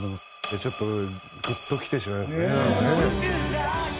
ちょっとグッときてしまいますねなんかね。